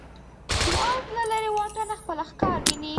باز له لرې واټنه خپل ښکار ویني